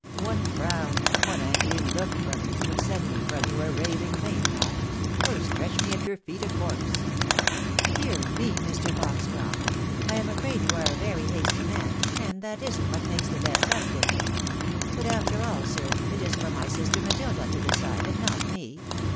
One frown, one angry look from you, would send me from you a raving maniac, — or stretch me at your feet a corpse !"" Dear me, Mr. Foxcroft ! I am afraid you are a very hasty man, and that isn't what makes the best husband. But after all, sir, it is for my sister Matilda to decide, and not me.